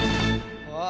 あ！